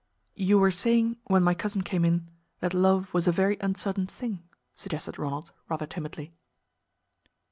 "You were saying when my cousin came in, that love was a very uncertain thing," suggested Ronald, rather timidly.